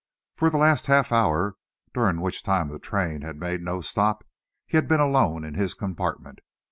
For the last half hour, during which time the train had made no stop, he had been alone in his compartment.